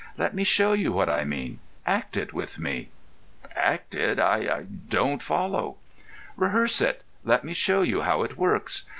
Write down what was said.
Let me show you what I mean. Act it with me." "Act it? I—I don't follow." "Rehearse it. Let me show you how it works.